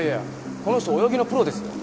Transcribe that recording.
この人泳ぎのプロですよ。